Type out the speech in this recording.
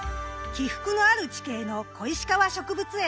起伏のある地形の小石川植物園。